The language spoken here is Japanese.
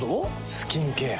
スキンケア。